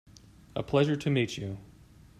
A pleasure to meet you.